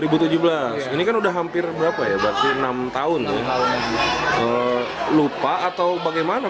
lulus tahun berapa dua ribu tujuh belas dua ribu tujuh belas ini kan udah hampir berapa ya berarti enam tahun lupa atau bagaimana